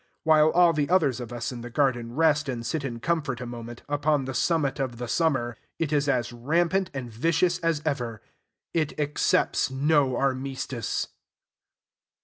While all the others of us in the garden rest and sit in comfort a moment, upon the summit of the summer, it is as rampant and vicious as ever. It accepts no armistice.